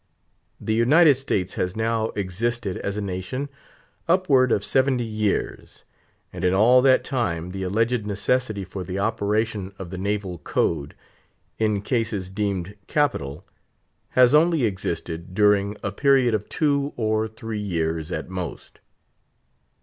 The United States has now existed as a nation upward of seventy years, and in all that time the alleged necessity for the operation of the naval code—in cases deemed capital—has only existed during a period of two or three years at most.